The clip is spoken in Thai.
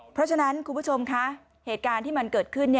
เพราะฉะนั้นคุณผู้ชมคะเหตุการณ์ที่มันเกิดขึ้น